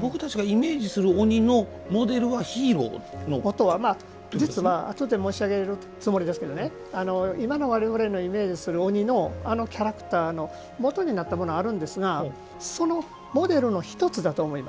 僕たちがイメージする鬼のモデルは実は、あとで申し上げるつもりですが今の我々のイメージする鬼のあのキャラクターのもとになったものがあるんですがそのモデルの１つだと思います。